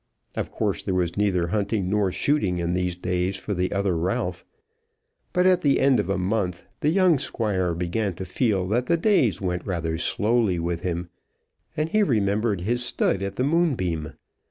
Of course there was neither hunting nor shooting in these days for the other Ralph. But at the end of a month the young Squire began to feel that the days went rather slowly with him, and he remembered his stud at the Moonbeam.